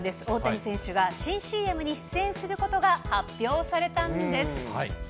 大谷選手が新ＣＭに出演することが発表されたんです。